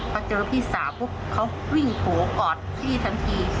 พอเจอพี่สาวปุ๊บเขาวิ่งโผล่กอดพี่ทันที